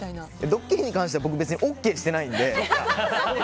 ドッキリに関しては僕、別にＯＫしてないので。